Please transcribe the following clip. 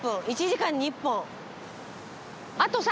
１時間に１本です。